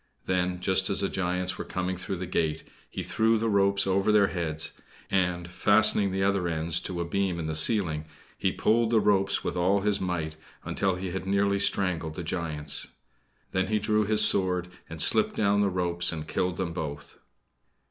Then, just as the giants were coming through the gate he threw the ropes over their heads, and, fastening the other ends to a beam in the ceiling, he pulled the ropes with all his might until he had nearly strangled the giants. Then he drew his sword and slipped down the ropes and killed them both.